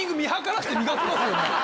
磨きますよね！